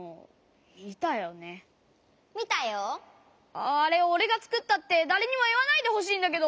あれおれがつくったってだれにもいわないでほしいんだけど！